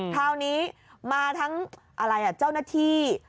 เท่านี้มาทั้งเจ้าหน้าที่